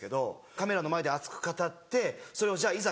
カメラの前で熱く語ってそれをじゃあいざ